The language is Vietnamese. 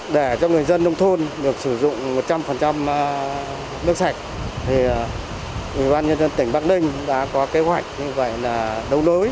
để cho người dân nông thôn được sử dụng một trăm linh nước sạch thì ubnd tỉnh bắc ninh đã có kế hoạch như vậy là đấu lối